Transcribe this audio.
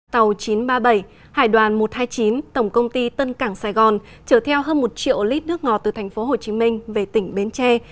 tàu chín trăm ba mươi bảy hải đoàn một trăm hai mươi chín tổng công ty tân cảng sài gòn chở theo hơn một triệu lít nước ngọt từ tp hcm về tỉnh bến tre